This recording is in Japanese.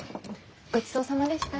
ごちそうさまでした。